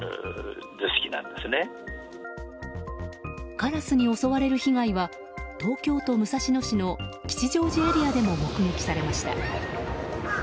カラスに襲われる被害は東京都武蔵野市の吉祥寺エリアでも目撃されました。